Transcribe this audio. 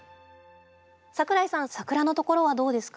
櫻井さん桜のところはどうですか？